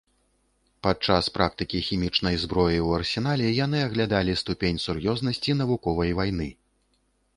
Падчас практыкі хімічнай зброі ў арсенале яны аглядалі ступень сур'ёзнасці навуковай вайны.